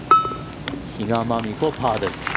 比嘉真美子、パーです。